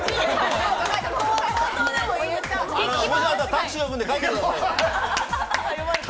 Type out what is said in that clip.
タクシー呼ぶんで帰ってください。